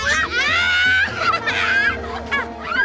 tarik tarik tarik